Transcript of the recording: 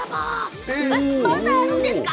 まだあるんですか！